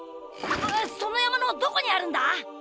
そのやまのどこにあるんだ？